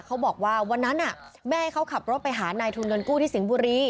เขาบอกว่าวันนั้นแม่เขาขับรถไปหานายทุนเงินกู้ที่สิงห์บุรี